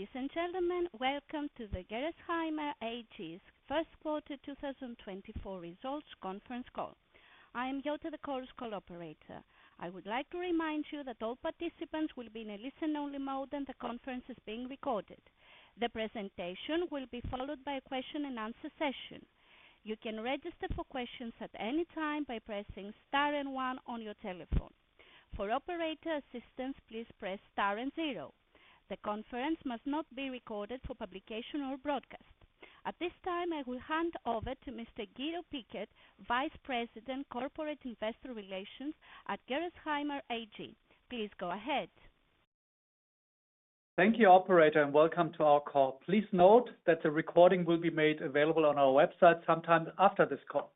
Ladies and gentlemen, welcome to the Gerresheimer AG's First Quarter 2024 Results Conference call. I am Jutta de Kool, operator. I would like to remind you that all participants will be in a listen-only mode and the conference is being recorded. The presentation will be followed by a question-and-answer session. You can register for questions at any time by pressing star and 1 on your telephone. For operator assistance, please press star and 0. The conference must not be recorded for publication or broadcast. At this time, I will hand over to Mr. Guido Pickert, Vice President, Corporate Investor Relations at Gerresheimer AG. Please go ahead. Thank you, operator, and welcome to our call. Please note that the recording will be made available on our website sometime after this call.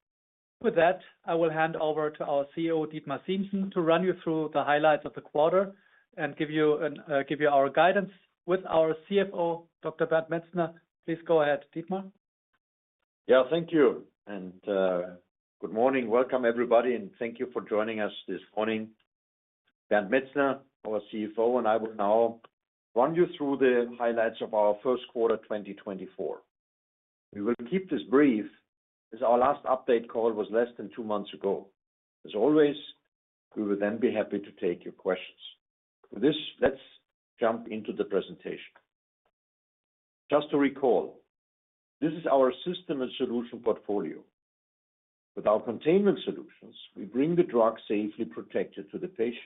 With that, I will hand over to our CEO, Dietmar Siemssen, to run you through the highlights of the quarter and give you our guidance. With our CFO, Dr. Bernd Metzner, please go ahead, Dietmar. Yeah, thank you. And good morning. Welcome, everybody, and thank you for joining us this morning. Bernd Metzner, our CFO, and I will now run you through the highlights of our first quarter 2024. We will keep this brief as our last update call was less than two months ago. As always, we will then be happy to take your questions. With this, let's jump into the presentation. Just to recall, this is our system and solution portfolio. With our containment solutions, we bring the drug safely protected to the patient.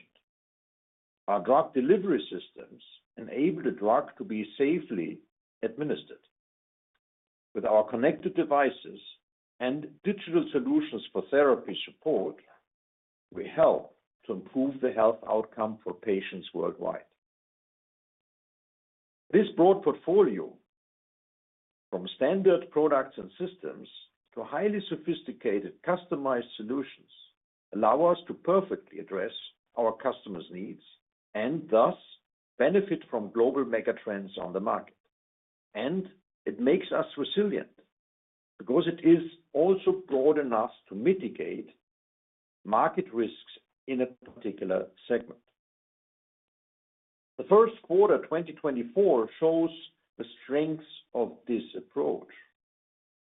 Our drug delivery systems enable the drug to be safely administered. With our connected devices and digital solutions for therapy support, we help to improve the health outcome for patients worldwide. This broad portfolio, from standard products and systems to highly sophisticated customized solutions, allows us to perfectly address our customers' needs and thus benefit from global megatrends on the market. It makes us resilient because it is also broad enough to mitigate market risks in a particular segment. The first quarter 2024 shows the strengths of this approach.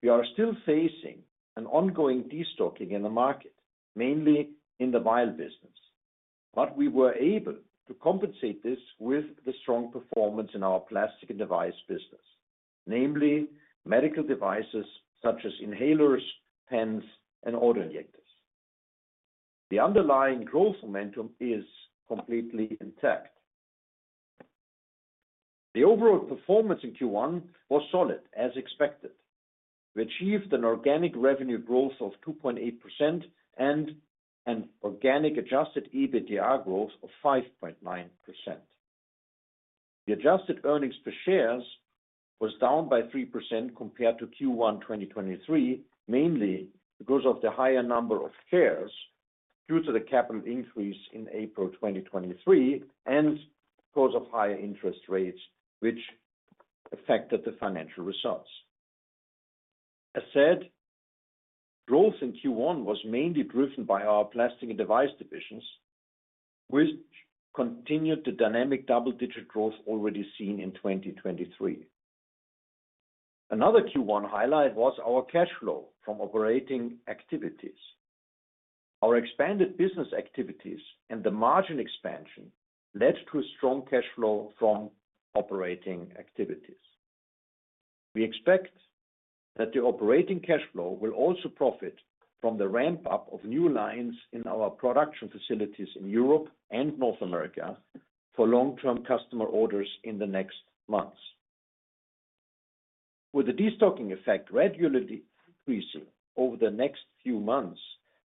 We are still facing an ongoing destocking in the market, mainly in the vial business. We were able to compensate this with the strong performance in our plastic and device business, namely medical devices such as inhalers, pens, and autoinjectors. The underlying growth momentum is completely intact. The overall performance in Q1 was solid, as expected. We achieved an organic revenue growth of 2.8% and an organic adjusted EBITDA growth of 5.9%. The adjusted earnings per share was down by 3% compared to Q1 2023, mainly because of the higher number of shares due to the capital increase in April 2023 and because of higher interest rates, which affected the financial results. As said, growth in Q1 was mainly driven by our plastic and device divisions, which continued the dynamic double-digit growth already seen in 2023. Another Q1 highlight was our cash flow from operating activities. Our expanded business activities and the margin expansion led to a strong cash flow from operating activities. We expect that the operating cash flow will also profit from the ramp-up of new lines in our production facilities in Europe and North America for long-term customer orders in the next months. With the destocking effect gradually increasing over the next few months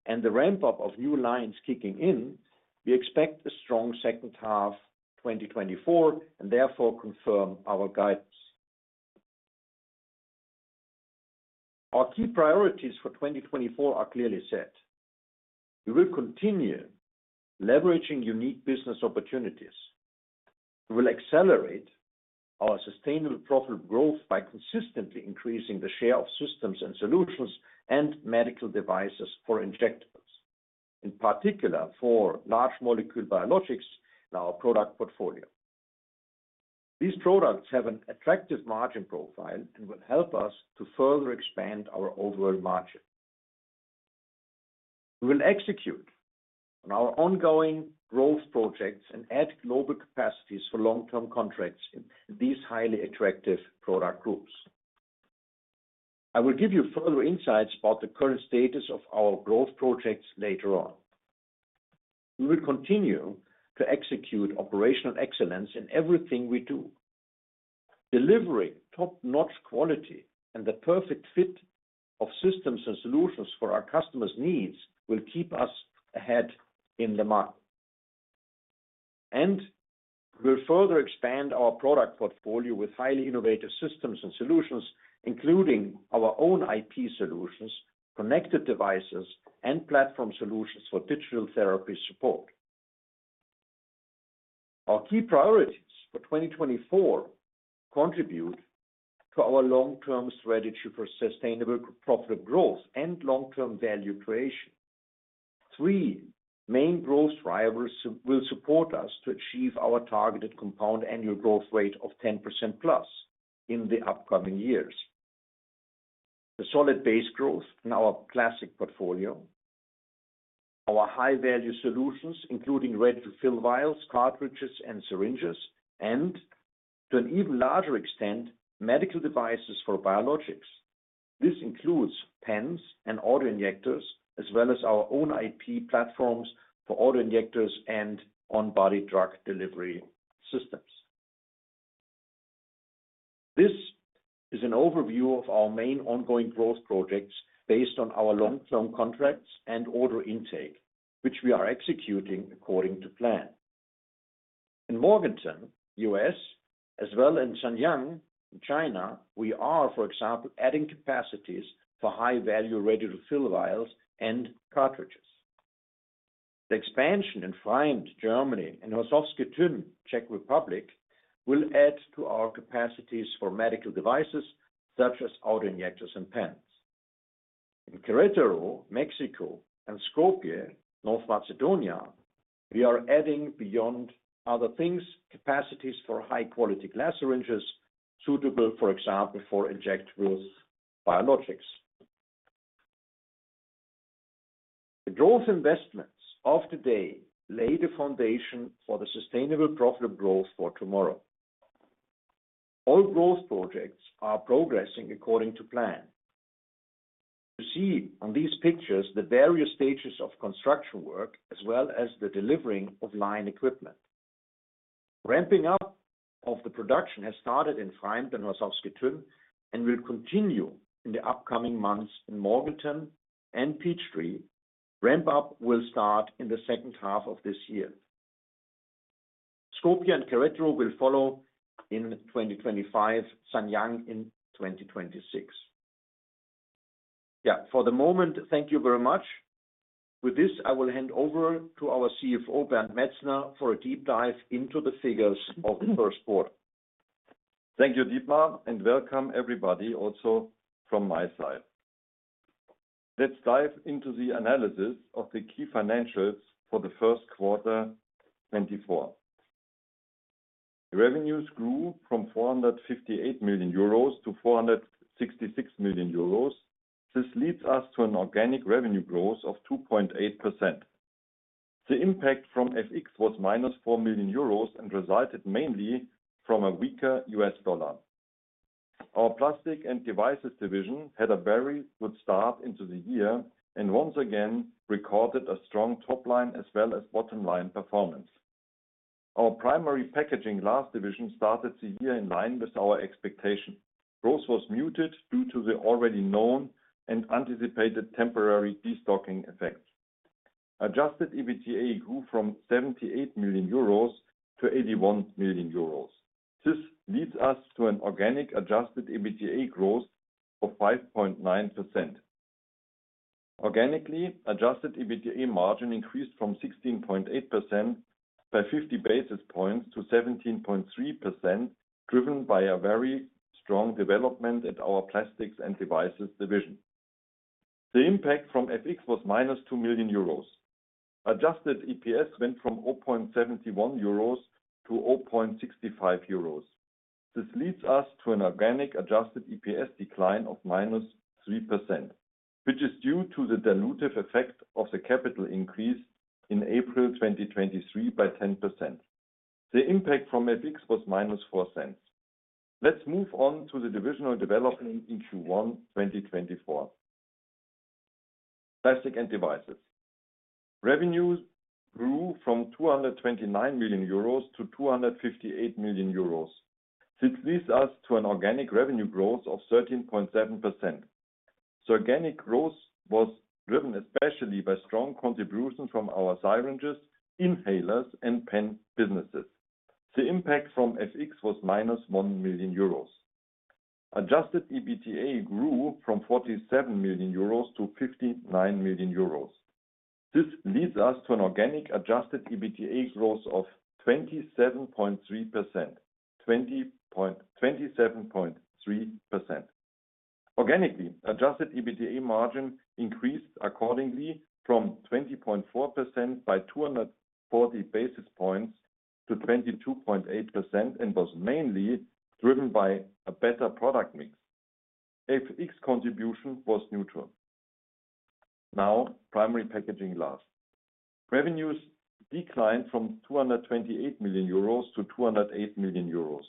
and the ramp-up of new lines kicking in, we expect a strong second half 2024 and therefore confirm our guidance. Our key priorities for 2024 are clearly set. We will continue leveraging unique business opportunities. We will accelerate our sustainable profit growth by consistently increasing the share of systems and solutions and medical devices for injectables, in particular for large molecule biologics in our product portfolio. These products have an attractive margin profile and will help us to further expand our overall margin. We will execute on our ongoing growth projects and add global capacities for long-term contracts in these highly attractive product groups. I will give you further insights about the current status of our growth projects later on. We will continue to execute operational excellence in everything we do. Delivering top-notch quality and the perfect fit of systems and solutions for our customers' needs will keep us ahead in the market. We will further expand our product portfolio with highly innovative systems and solutions, including our own IP solutions, connected devices, and platform solutions for digital therapy support. Our key priorities for 2024 contribute to our long-term strategy for sustainable profit growth and long-term value creation. Three main growth drivers will support us to achieve our targeted compound annual growth rate of 10%+ in the upcoming years: the solid base growth in our plastic portfolio, our high-value solutions, including ready-to-fill vials, cartridges, and syringes, and to an even larger extent, medical devices for biologics. This includes pens and autoinjectors, as well as our own IP platforms for autoinjectors and on-body drug delivery systems. This is an overview of our main ongoing growth projects based on our long-term contracts and order intake, which we are executing according to plan. In Morganton, U.S., as well as in Shenyang, China, we are, for example, adding capacities for high-value ready-to-fill vials and cartridges. The expansion in Pfreimd, Germany, and Horšovský Týn, Czech Republic, will add to our capacities for medical devices such as autoinjectors and pens. In Querétaro, Mexico, and Skopje, North Macedonia, we are adding, beyond other things, capacities for high-quality glass syringes suitable, for example, for injectable biologics. The growth investments of today lay the foundation for the sustainable profit growth for tomorrow. All growth projects are progressing according to plan. You see on these pictures the various stages of construction work, as well as the delivery of line equipment. Ramping up of the production has started in Pfreimd and Horšovský Týn and will continue in the upcoming months in Morganton and Peachtree. Ramp-up will start in the second half of this year. Skopje and Querétaro will follow in 2025, Shenyang in 2026. Yeah, for the moment, thank you very much. With this, I will hand over to our CFO, Bernd Metzner, for a deep dive into the figures of the first quarter. Thank you, Dietmar, and welcome, everybody, also from my side. Let's dive into the analysis of the key financials for the first quarter 2024. Revenues grew from 458 million euros to 466 million euros. This leads us to an organic revenue growth of 2.8%. The impact from FX was -4 million euros and resulted mainly from a weaker US dollar. Our Plastic and Devices division had a very good start into the year and once again recorded a strong top line as well as bottom line performance. Our primary packaging glass division started the year in line with our expectation. Growth was muted due to the already known and anticipated temporary destocking effect. Adjusted EBITDA grew from 78 million euros to 81 million euros. This leads us to an organic adjusted EBITDA growth of 5.9%. Organically, adjusted EBITDA margin increased from 16.8% by 50 basis points to 17.3%, driven by a very strong development at our plastics and devices division. The impact from FX was -2 million euros. Adjusted EPS went from 0.71 euros to 0.65 euros. This leads us to an organic adjusted EPS decline of -3%, which is due to the dilutive effect of the capital increase in April 2023 by 10%. The impact from FX was -0.04. Let's move on to the divisional development in Q1 2024. Plastics and Devices. Revenues grew from 229 million euros to 258 million euros. This leads us to an organic revenue growth of 13.7%. The organic growth was driven especially by strong contributions from our syringes, inhalers, and pen businesses. The impact from FX was -1 million euros. Adjusted EBITDA grew from 47 million euros to 59 million euros. This leads us to an organic adjusted EBITDA growth of 27.3%. Organically, adjusted EBITDA margin increased accordingly from 20.4% by 240 basis points to 22.8% and was mainly driven by a better product mix. FX contribution was neutral. Now, Primary Packaging Glass. Revenues declined from 228 million euros to 208 million euros.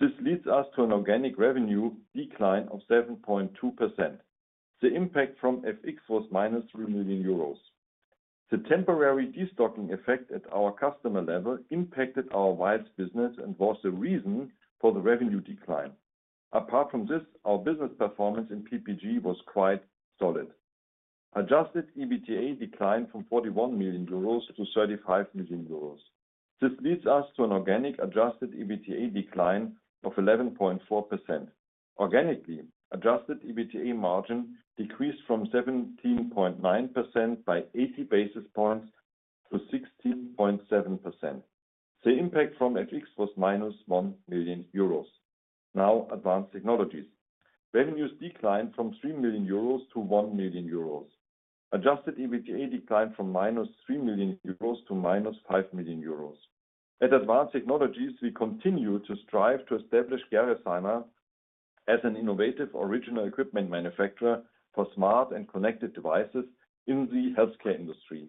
This leads us to an organic revenue decline of 7.2%. The impact from FX was -3 million euros. The temporary destocking effect at our customer level impacted our vials business and was the reason for the revenue decline. Apart from this, our business performance in PPG was quite solid. Adjusted EBITDA declined from 41 million euros to 35 million euros. This leads us to an organic adjusted EBITDA decline of 11.4%. Organically, adjusted EBITDA margin decreased from 17.9% by 80 basis points to 16.7%. The impact from FX was -1 million euros. Now, Advanced Technologies. Revenues declined from 3 million euros to 1 million euros. Adjusted EBITDA declined from -3 million euros to -5 million euros. At Advanced Technologies, we continue to strive to establish Gerresheimer as an innovative original equipment manufacturer for smart and connected devices in the healthcare industry.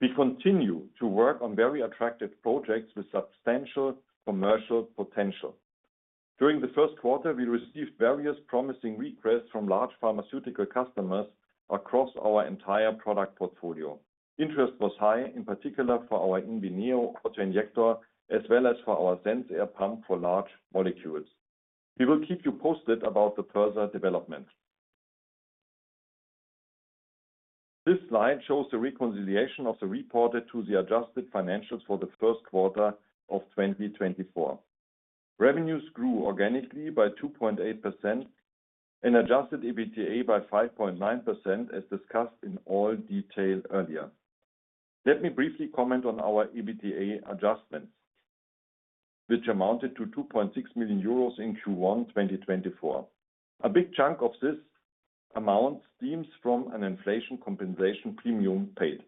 We continue to work on very attractive projects with substantial commercial potential. During the first quarter, we received various promising requests from large pharmaceutical customers across our entire product portfolio. Interest was high, in particular for our Inbeneo autoinjector, as well as for our SensAir pump for large molecules. We will keep you posted about the further development. This slide shows the reconciliation of the reported to the adjusted financials for the first quarter of 2024. Revenues grew organically by 2.8% and adjusted EBITDA by 5.9%, as discussed in all detail earlier. Let me briefly comment on our EBITDA adjustments, which amounted to 2.6 million euros in Q1 2024. A big chunk of this amount stems from an inflation compensation premium paid.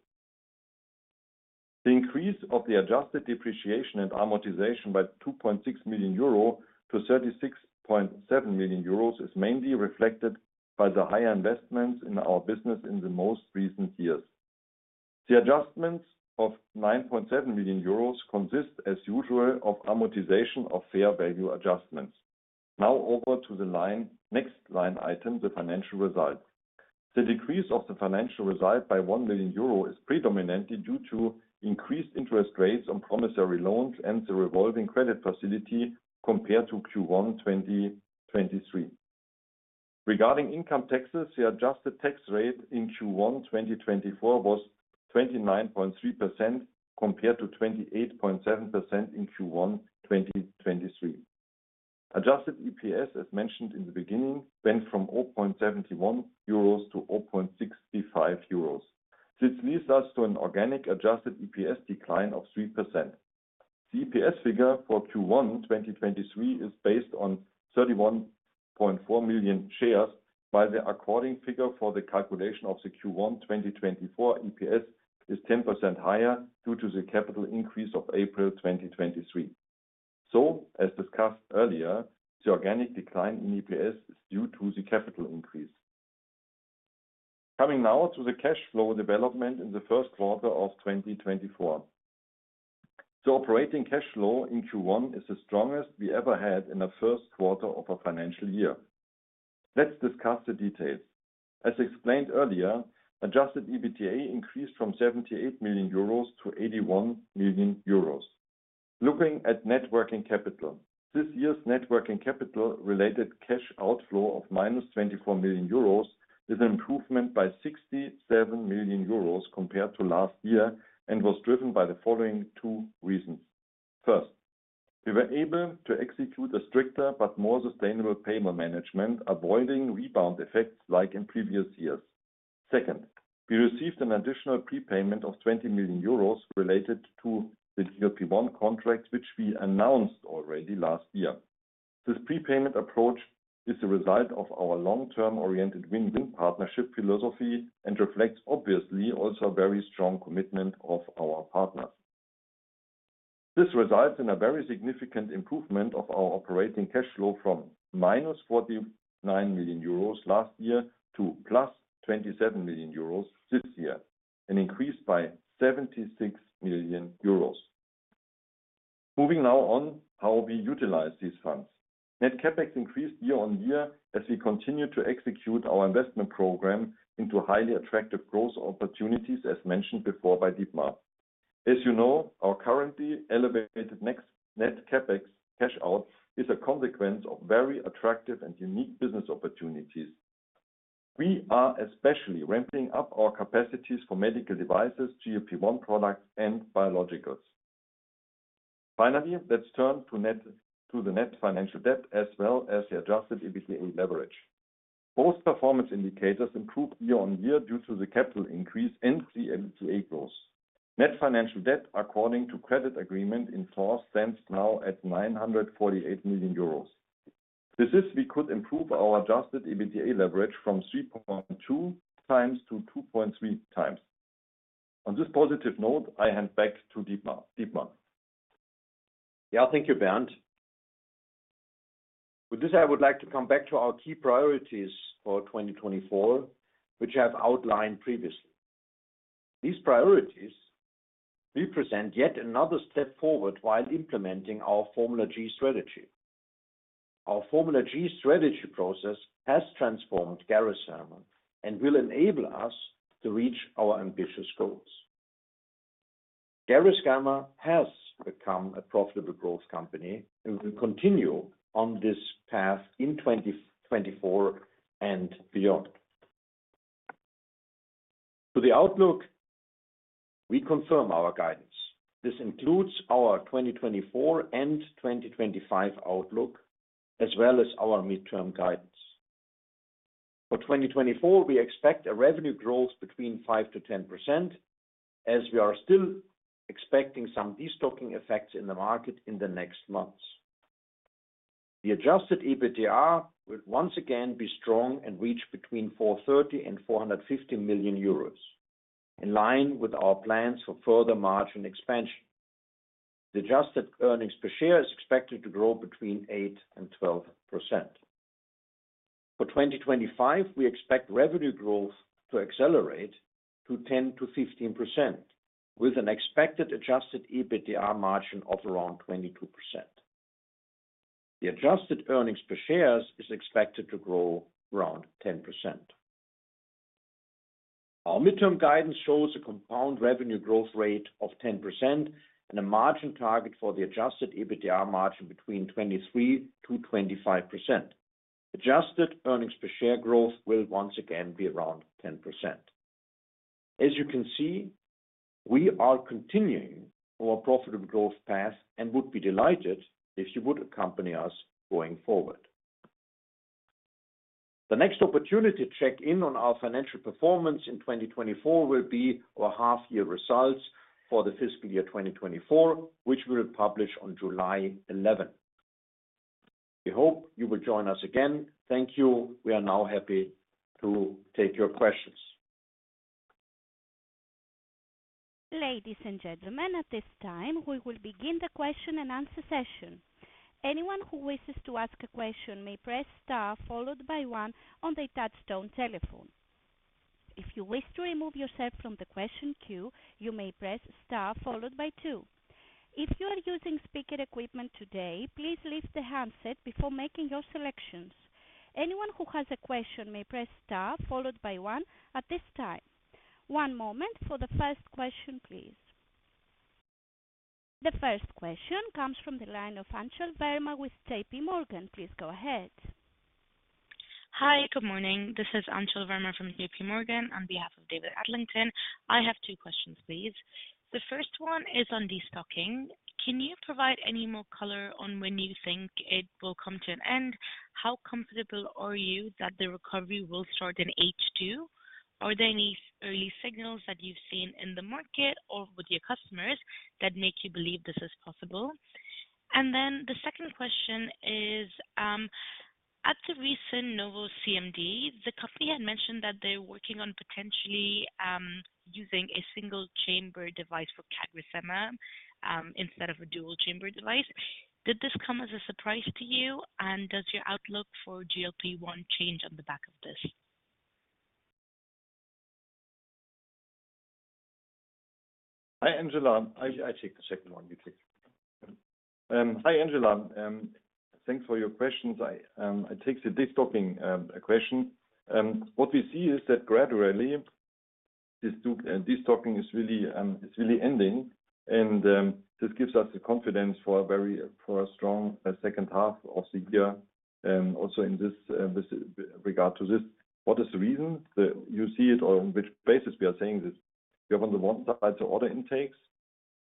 The increase of the adjusted depreciation and amortization by 2.6 million euro to 36.7 million euros is mainly reflected by the higher investments in our business in the most recent years. The adjustments of 9.7 million euros consist, as usual, of amortization of fair value adjustments. Now over to the next line item, the financial results. The decrease of the financial result by 1 million euro is predominantly due to increased interest rates on promissory loans and the revolving credit facility compared to Q1 2023. Regarding income taxes, the adjusted tax rate in Q1 2024 was 29.3% compared to 28.7% in Q1 2023. Adjusted EPS, as mentioned in the beginning, went from 0.71 euros to 0.65 euros. This leads us to an organic adjusted EPS decline of 3%. The EPS figure for Q1 2023 is based on 31.4 million shares, while the according figure for the calculation of the Q1 2024 EPS is 10% higher due to the capital increase of April 2023. So, as discussed earlier, the organic decline in EPS is due to the capital increase. Coming now to the cash flow development in the first quarter of 2024. The operating cash flow in Q1 is the strongest we ever had in the first quarter of a financial year. Let's discuss the details. As explained earlier, Adjusted EBITDA increased from 78 million euros to 81 million euros. Looking at net working capital. This year's net working capital-related cash outflow of -24 million euros is an improvement by 67 million euros compared to last year and was driven by the following two reasons. First, we were able to execute a stricter but more sustainable payment management, avoiding rebound effects like in previous years. Second, we received an additional prepayment of 20 million euros related to the GLP-1 contract, which we announced already last year. This prepayment approach is the result of our long-term oriented win-win partnership philosophy and reflects obviously also a very strong commitment of our partners. This results in a very significant improvement of our operating cash flow from -49 million euros last year to 27 million euros this year, an increase by 76 million euros. Moving now on, how we utilize these funds. Net CapEx increased year-on-year as we continue to execute our investment program into highly attractive growth opportunities, as mentioned before by Dietmar. As you know, our currently elevated net CapEx cash out is a consequence of very attractive and unique business opportunities. We are especially ramping up our capacities for medical devices, GLP-1 products, and biologicals. Finally, let's turn to the net financial debt as well as the adjusted EBITDA leverage. Both performance indicators improved year-on-year due to the capital increase and the EBITDA growth. Net financial debt, according to credit agreement in force, stands now at 948 million euros. We could improve our Adjusted EBITDA leverage from 3.2x to 2.3x. On this positive note, I hand back to Dietmar. Dietmar. Yeah, thank you, Bernd. With this, I would like to come back to our key priorities for 2024, which I have outlined previously. These priorities represent yet another step forward while implementing our Formula G strategy. Our Formula G strategy process has transformed Gerresheimer and will enable us to reach our ambitious goals. Gerresheimer has become a profitable growth company and will continue on this path in 2024 and beyond. To the outlook, we confirm our guidance. This includes our 2024 and 2025 outlook, as well as our midterm guidance. For 2024, we expect a revenue growth between 5%-10%, as we are still expecting some destocking effects in the market in the next months. The adjusted EBITDA would once again be strong and reach between 430 million-450 million euros, in line with our plans for further margin expansion. The adjusted earnings per share is expected to grow between 8% and 12%. For 2025, we expect revenue growth to accelerate to 10%-15%, with an expected adjusted EBITDA margin of around 22%. The adjusted earnings per shares is expected to grow around 10%. Our midterm guidance shows a compound revenue growth rate of 10% and a margin target for the adjusted EBITDA margin between 23%-25%. Adjusted earnings per share growth will once again be around 10%. As you can see, we are continuing our profitable growth path and would be delighted if you would accompany us going forward. The next opportunity to check in on our financial performance in 2024 will be our half-year results for the fiscal year 2024, which we will publish on July 11. We hope you will join us again. Thank you. We are now happy to take your questions. Ladies and gentlemen, at this time, we will begin the question and answer session. Anyone who wishes to ask a question may press star followed by one on the touch-tone telephone. If you wish to remove yourself from the question queue, you may press star followed by two. If you are using speaker equipment today, please lift the handset before making your selections. Anyone who has a question may press star followed by one at this time. One moment for the first question, please. The first question comes from the line of Anchal Verma with J.P. Morgan. Please go ahead. Hi, good morning. This is Anchal Verma from J.P. Morgan on behalf of David Adlington. I have two questions, please. The first one is on destocking. Can you provide any more color on when you think it will come to an end? How comfortable are you that the recovery will start in H2? Are there any early signals that you've seen in the market or with your customers that make you believe this is possible? And then the second question is, at the recent Novo CMD, the company had mentioned that they're working on potentially using a single chamber device for CagriSema instead of a dual chamber device. Did this come as a surprise to you? And does your outlook for GLP-1 change on the back of this? Hi, Angela. I take the second one, you take the second one. Hi, Angela. Thanks for your questions. I take the destocking question. What we see is that gradually, destocking is really ending. And this gives us the confidence for a strong second half of the year. Also in this regard to this, what is the reason you see it or on which basis we are saying this? You have on the one side the order intakes.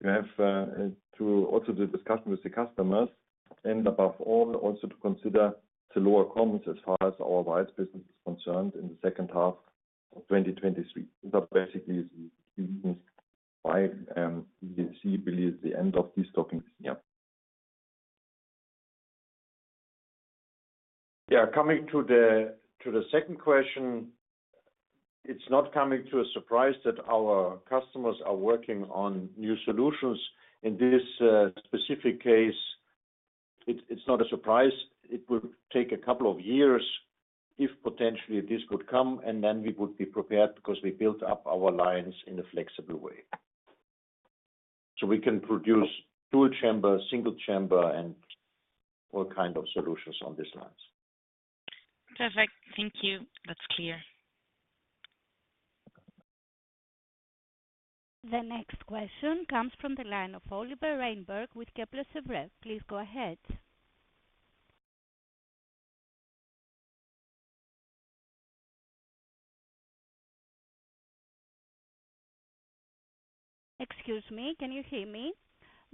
You have also the discussion with the customers. And above all, also to consider the lower comps as far as our vials business is concerned in the second half of 2023. These are basically the reasons why we see really the end of destocking this year. Yeah, coming to the second question, it's not coming to a surprise that our customers are working on new solutions. In this specific case, it's not a surprise. It would take a couple of years if potentially this would come, and then we would be prepared because we built up our lines in a flexible way. So we can produce dual chamber, single chamber, and all kinds of solutions on these lines. Perfect. Thank you. That's clear. The next question comes from the line of Oliver Reinberg with Kepler Cheuvreux. Please go ahead. Excuse me, can you hear me?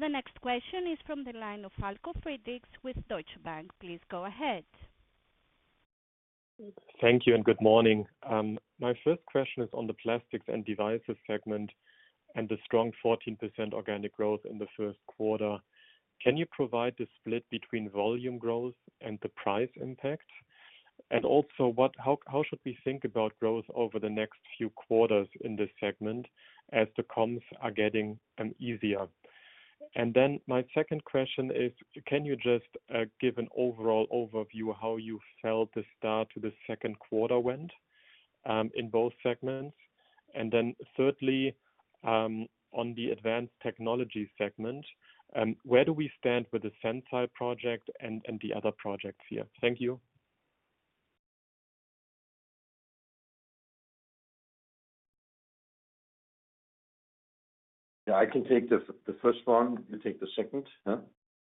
The next question is from the line of Falko Friedrichs with Deutsche Bank. Please go ahead. Thank you and good morning. My first question is on the plastics and devices segment and the strong 14% organic growth in the first quarter. Can you provide the split between volume growth and the price impact? And also, how should we think about growth over the next few quarters in this segment as the comps are getting easier? And then my second question is, can you just give an overall overview of how you felt the start to the second quarter went in both segments? And then thirdly, on the advanced technology segment, where do we stand with the Sensair project and the other projects here? Thank you. Yeah, I can take the first one. You take the second, huh?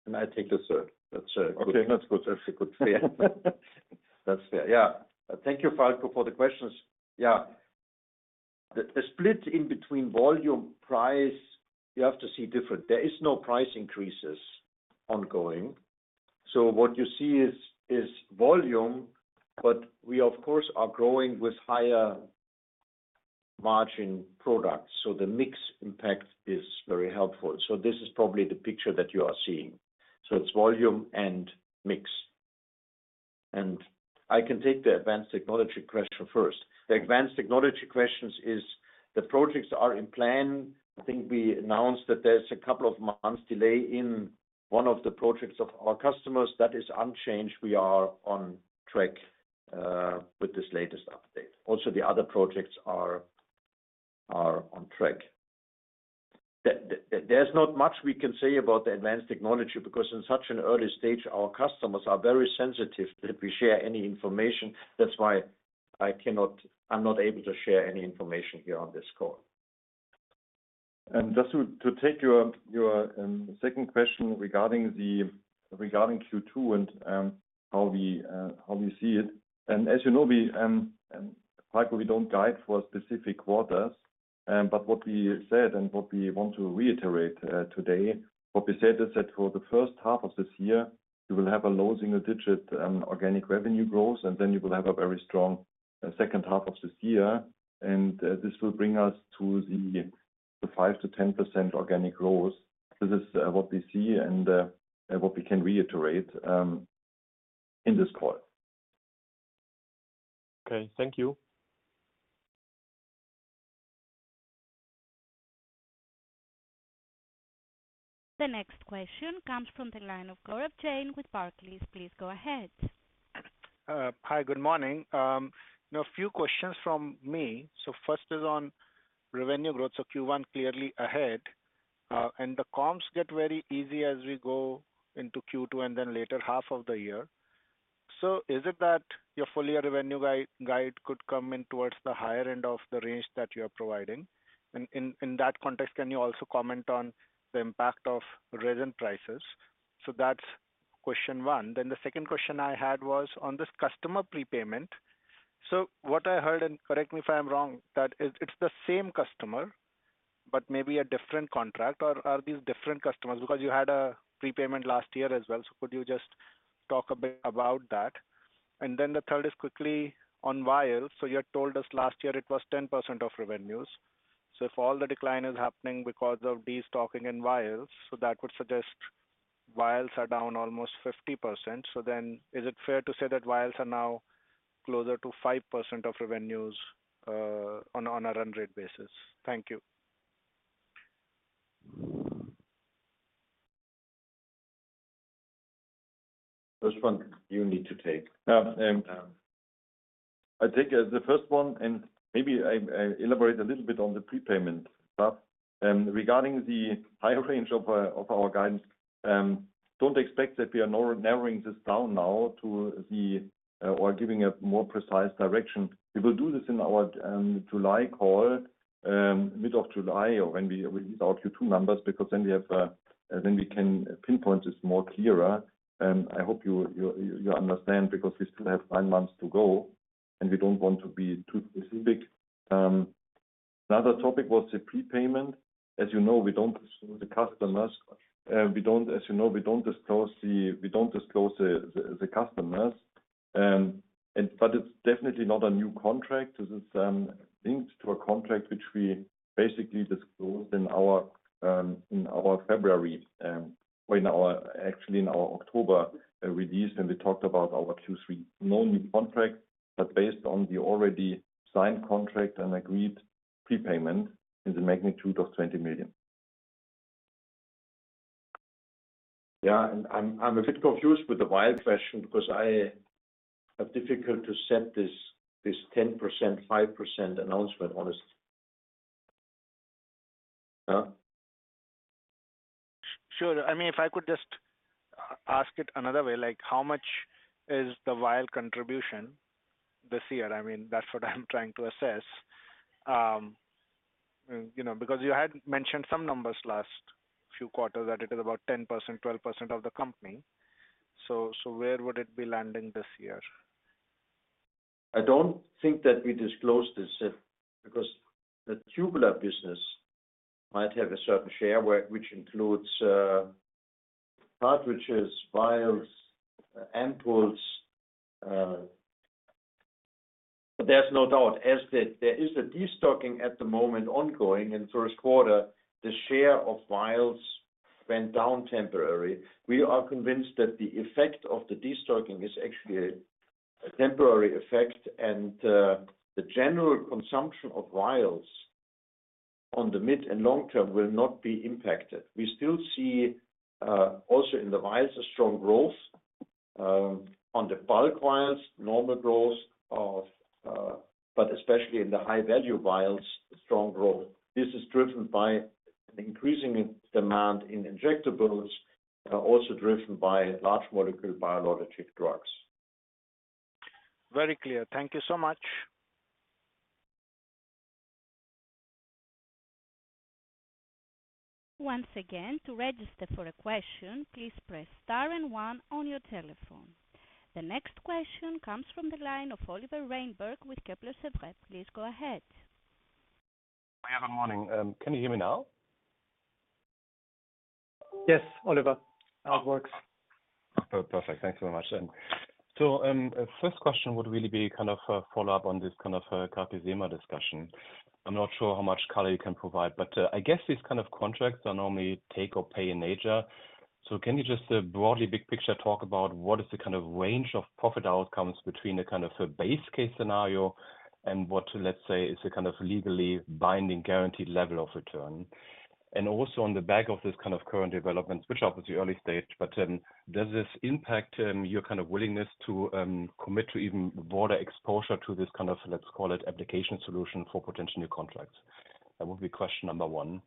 And I take the third. That's good. That's good. That's a good fair. That's fair. Yeah. Thank you, Falko, for the questions. Yeah. The split in between volume, price, you have to see different. There are no price increases ongoing. So what you see is volume, but we, of course, are growing with higher margin products. So the mix impact is very helpful. So this is probably the picture that you are seeing. So it's volume and mix. And I can take the advanced technology question first. The advanced technology question is the projects are in plan. I think we announced that there's a couple of months delay in one of the projects of our customers. That is unchanged. We are on track with this latest update. Also, the other projects are on track. There's not much we can say about the advanced technology because in such an early stage, our customers are very sensitive that we share any information. That's why I'm not able to share any information here on this call. Just to take your second question regarding Q2 and how we see it. As you know, Falko, we don't guide for specific quarters. What we said and what we want to reiterate today, what we said is that for the first half of this year, you will have a low single-digit organic revenue growth, and then you will have a very strong second half of this year. This will bring us to the 5%-10% organic growth. This is what we see and what we can reiterate in this call. Okay. Thank you. The next question comes from the line of Gaurav Jain with Barclays. Please go ahead. Hi, good morning. A few questions from me. First is on revenue growth. Q1 clearly ahead. The comps get very easy as we go into Q2 and then later half of the year. Is it that your fully revenue guide could come in towards the higher end of the range that you are providing? In that context, can you also comment on the impact of resin prices? That's question one. The second question I had was on this customer prepayment. What I heard and correct me if I'm wrong, that it's the same customer, but maybe a different contract. Or are these different customers? Because you had a prepayment last year as well. Could you just talk a bit about that? The third is quickly on vials. You had told us last year it was 10% of revenues. If all the decline is happening because of destocking and vials, so that would suggest vials are down almost 50%. So then is it fair to say that vials are now closer to 5% of revenues on a run rate basis? Thank you. First one, you need to take. I take as the first one, and maybe I elaborate a little bit on the prepayment stuff. Regarding the high range of our guidance, don't expect that we are narrowing this down now or giving a more precise direction. We will do this in our July call, mid of July, or when we release our Q2 numbers because then we can pinpoint this more clearer. I hope you understand because we still have nine months to go, and we don't want to be too specific. Another topic was the prepayment. As you know, we don't disclose the customers. But it's definitely not a new contract. This is linked to a contract which we basically disclosed in our February or actually in our October release when we talked about our Q3. No new contract, but based on the already signed contract and agreed prepayment in the magnitude of 20 million. Yeah. I'm a bit confused with the vial question because I have difficulty to set this 10%, 5% announcement, honestly. Sure. I mean, if I could just ask it another way, how much is the vial contribution this year? I mean, that's what I'm trying to assess. Because you had mentioned some numbers last few quarters that it is about 10%-12% of the company. So where would it be landing this year? I don't think that we disclose this because the tubular business might have a certain share which includes cartridges, vials, ampoules. There's no doubt. As there is a destocking at the moment ongoing in first quarter, the share of vials went down temporary. We are convinced that the effect of the destocking is actually a temporary effect, and the general consumption of vials on the mid and long term will not be impacted. We still see also in the vials a strong growth. On the bulk vials, normal growth, but especially in the high-value vials, strong growth. This is driven by an increasing demand in injectables, also driven by large molecule biologic drugs. Very clear. Thank you so much. Once again, to register for a question, please press star and one on your telephone. The next question comes from the line of Oliver Reinberg with Kepler Cheuvreux. Please go ahead. Hi, good morning. Can you hear me now? Yes, Oliver. How it works. Perfect. Thanks so much. And so first question would really be kind of a follow-up on this kind of CagriSema discussion. I'm not sure how much color you can provide, but I guess these kind of contracts are normally take or pay in nature. So can you just broadly, big picture, talk about what is the kind of range of profit outcomes between a kind of a base case scenario and what, let's say, is a kind of legally binding guaranteed level of return? And also on the back of this kind of current developments, which are obviously early stage, but does this impact your kind of willingness to commit to even broader exposure to this kind of, let's call it, application solution for potentially new contracts? That would be question number one.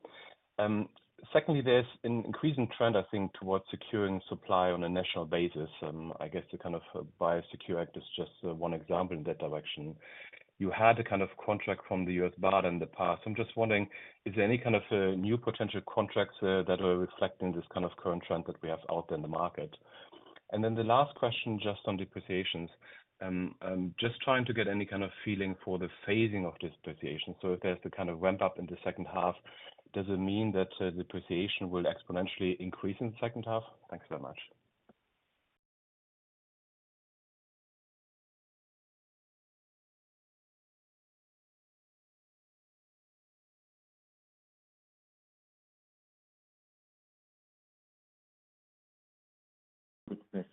Secondly, there's an increasing trend, I think, towards securing supply on a national basis. I guess the kind of Biosecure Act is just one example in that direction. You had a kind of contract from the US BARDA in the past. So I'm just wondering, is there any kind of new potential contracts that are reflecting this kind of current trend that we have out there in the market? And then the last question just on depreciations. Just trying to get any kind of feeling for the phasing of depreciation. So if there's the kind of ramp-up in the second half, does it mean that depreciation will exponentially increase in the second half? Thanks very much.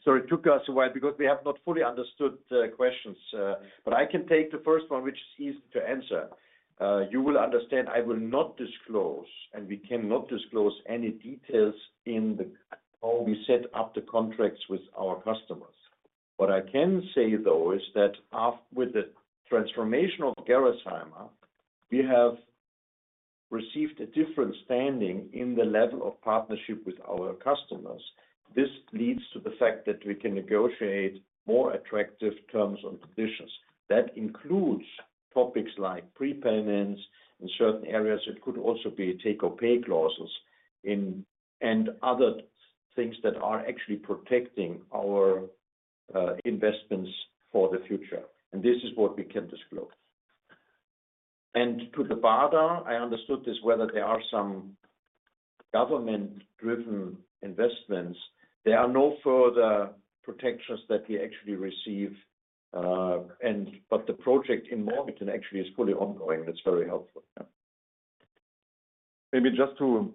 Sorry, it took us a while because we have not fully understood the questions. But I can take the first one, which is easy to answer. You will understand I will not disclose, and we cannot disclose any details in how we set up the contracts with our customers. What I can say, though, is that with the transformation of Gerresheimer, we have received a different standing in the level of partnership with our customers. This leads to the fact that we can negotiate more attractive terms and conditions. That includes topics like prepayments in certain areas. It could also be take or pay clauses and other things that are actually protecting our investments for the future. And this is what we can disclose. And to the BARDA, I understood this whether there are some government-driven investments. There are no further protections that we actually receive. But the project in Morganton actually is fully ongoing. That's very helpful. Maybe just to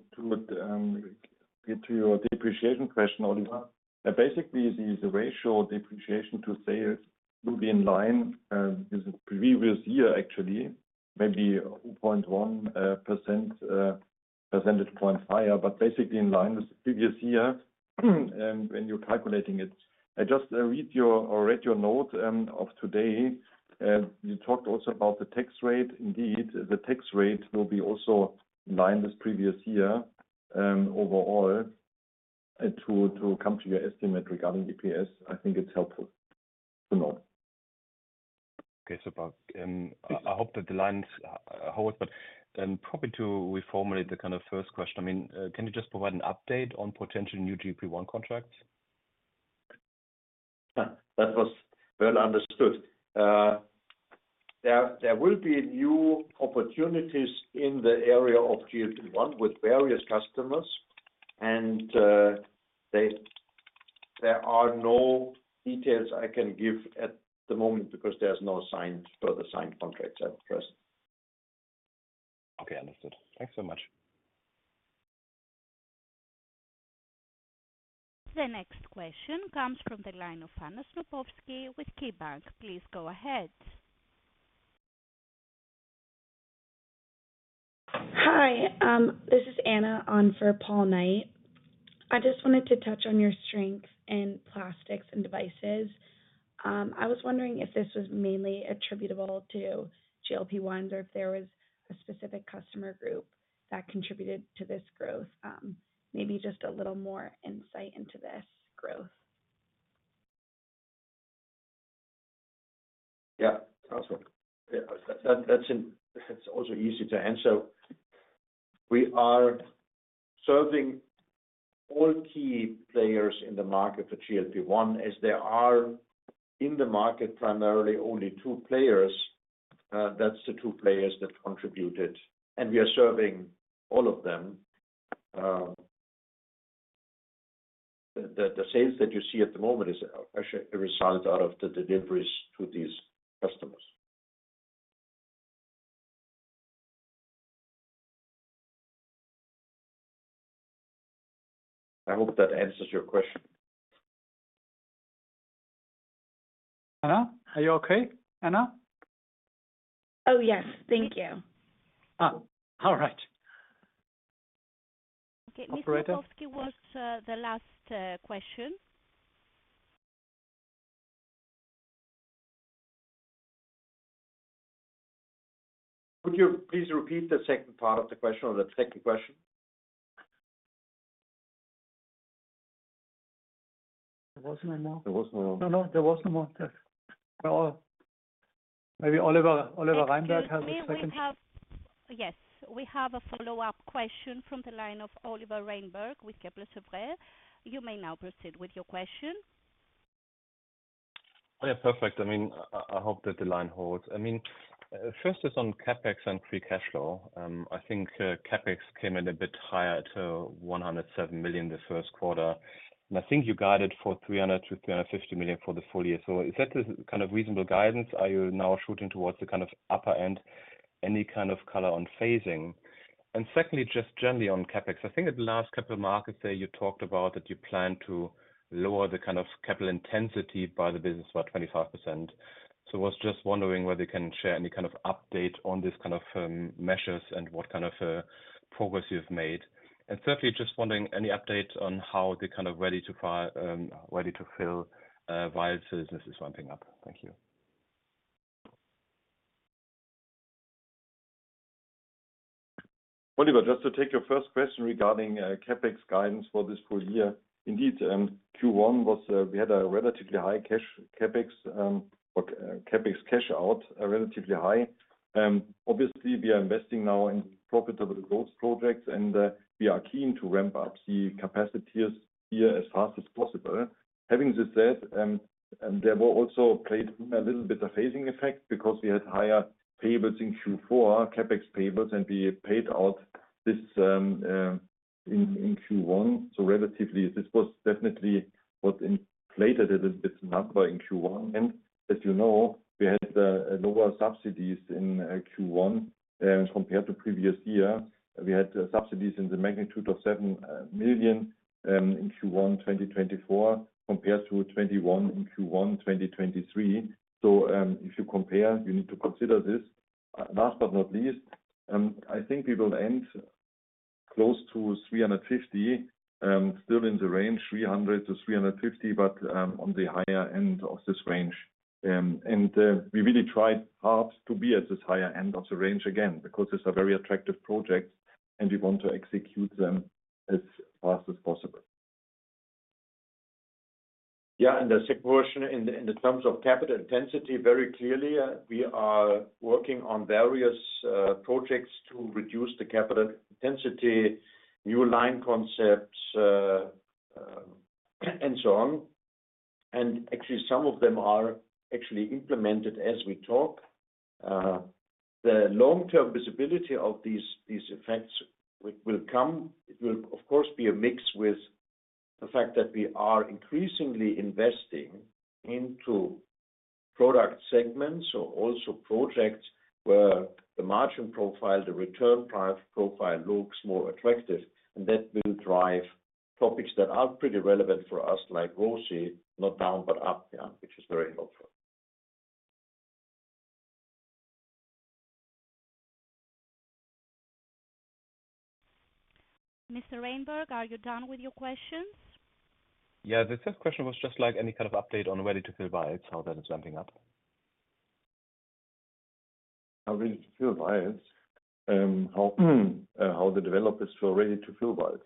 get to your depreciation question, Oliver. Basically, the ratio depreciation to sales will be in line with the previous year, actually, maybe 0.1 percentage point higher, but basically in line with the previous year when you're calculating it. I just read your note of today. You talked also about the tax rate. Indeed, the tax rate will be also in line with the previous year overall to come to your estimate regarding EPS. I think it's helpful to know. Okay. So I hope that the line holds, but probably to reformulate the kind of first question, I mean, can you just provide an update on potential new GLP-1 contracts? That was well understood. There will be new opportunities in the area of GLP-1 with various customers. There are no details I can give at the moment because there are no further signed contracts at present. Okay. Understood. Thanks so much. The next question comes from the line of Anna Snopkowski with KeyBanc. Please go ahead. Hi. This is Anna on for Paul Knight. I just wanted to touch on your strengths in plastics and devices. I was wondering if this was mainly attributable to GLP-1s or if there was a specific customer group that contributed to this growth. Maybe just a little more insight into this growth. Yeah. That's also easy to answer. We are serving all key players in the market for GLP-1. As there are in the market primarily only two players, that's the two players that contributed. And we are serving all of them. The sales that you see at the moment is actually a result out of the deliveries to these customers. I hope that answers your question. Anna? Are you okay, Anna? Oh, yes. Thank you. All right. Okay. Mr. Snopkowski was the last question. Could you please repeat the second part of the question or the second question? There was no more. There was no more. No, no. There was no more. Maybe Oliver Reinberg has a second. Yes. We have a follow-up question from the line of Oliver Reinberg with Kepler Cheuvreux. You may now proceed with your question. Yeah. Perfect. I mean, I hope that the line holds. I mean, first is on CapEx and free cash flow. I think CapEx came in a bit higher to 107 million the first quarter. And I think you guided for 300 million-350 million for the full year. So is that the kind of reasonable guidance? Are you now shooting towards the kind of upper end? Any kind of color on phasing? And secondly, just generally on CapEx. I think at the last Capital Markets Day, you talked about that you plan to lower the kind of capital intensity by the business, what, 25%. So I was just wondering whether you can share any kind of update on these kind of measures and what kind of progress you've made. And thirdly, just wondering any update on how the kind of ready-to-fill vials business is ramping up. Thank you. Oliver, just to take your first question regarding CapEx guidance for this full year. Indeed, Q1, we had a relatively high CapEx or CapEx cash out, relatively high. Obviously, we are investing now in profitable growth projects, and we are keen to ramp up the capacities here as fast as possible. Having this said, there was also at play a little bit of phasing effect because we had higher payables in Q4, CapEx payables, and we paid out this in Q1. So relatively, this was definitely what inflated a little bit the number in Q1. And as you know, we had lower subsidies in Q1 compared to previous year. We had subsidies in the magnitude of 7 million in Q1 2024 compared to 21 million in Q1 2023. So if you compare, you need to consider this. Last but not least, I think we will end close to 350, still in the range, 300-350, but on the higher end of this range. We really tried hard to be at this higher end of the range again because these are very attractive projects, and we want to execute them as fast as possible. Yeah. And the second question, in terms of capital intensity, very clearly, we are working on various projects to reduce the capital intensity, new line concepts, and so on. And actually, some of them are actually implemented as we talk. The long-term visibility of these effects will come. It will, of course, be a mix with the fact that we are increasingly investing into product segments or also projects where the margin profile, the return profile looks more attractive. And that will drive topics that are pretty relevant for us, like ROCE, not down but up, which is very helpful. Mr. Reinberg, are you done with your questions? Yeah. The first question was just any kind of update on Ready-to-fill vials, how that is ramping up. How ready-to-fill vials? How the developers feel ready-to-fill vials?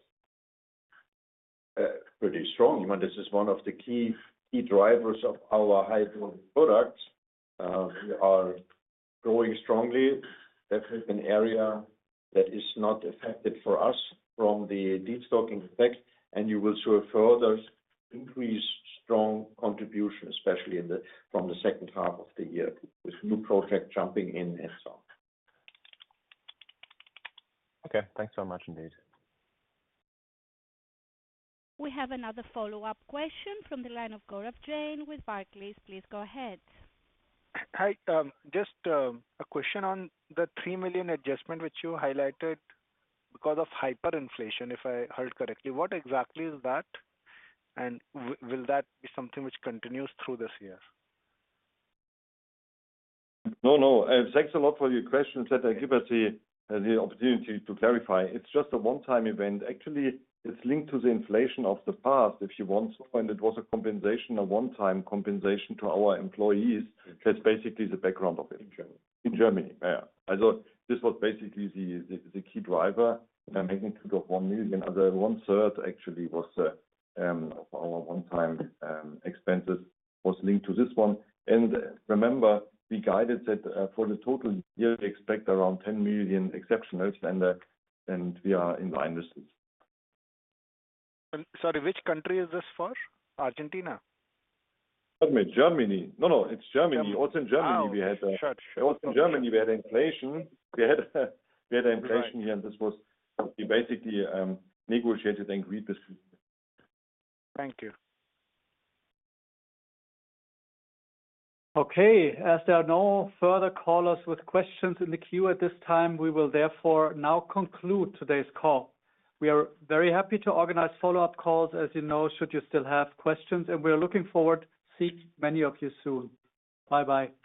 Pretty strong. This is one of the key drivers of our high-growth products. We are growing strongly, definitely an area that is not affected for us from the destocking effect. You will see a further increased strong contribution, especially from the second half of the year with new projects jumping in and so on. Okay. Thanks so much, indeed. We have another follow-up question from the line of Gaurav Jain with Barclays. Please go ahead. Hi. Just a question on the 3 million adjustment which you highlighted because of hyperinflation, if I heard correctly. What exactly is that? And will that be something which continues through this year? No, no. Thanks a lot for your question that I give us the opportunity to clarify. It's just a one-time event. Actually, it's linked to the inflation of the past, if you want. And it was a compensation, a one-time compensation to our employees. That's basically the background of it. In Germany. In Germany. Yeah. So this was basically the key driver, magnitude of 1 million. One-third, actually, of our one-time expenses was linked to this one. And remember, we guided that for the total year, we expect around 10 million exceptionals, and we are in line with this. Sorry, which country is this for? Argentina? Germany. No, no. It's Germany. Also in Germany, we had. Sure, sure. Also in Germany, we had inflation. We had inflation here, and this was basically negotiated and agreed between us. Thank you. Okay. As there are no further callers with questions in the queue at this time, we will therefore now conclude today's call. We are very happy to organize follow-up calls, as you know, should you still have questions. We are looking forward to seeing many of you soon. Bye-bye.